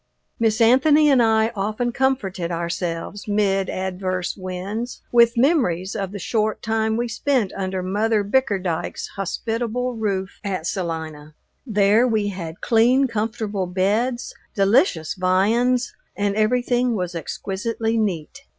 Miss Anthony and I often comforted ourselves mid adverse winds with memories of the short time we spent under Mother Bickerdyke's hospitable roof at Salina. There we had clean, comfortable beds, delicious viands, and everything was exquisitely neat.